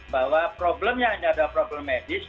bahwa problemnya hanya adalah problem medis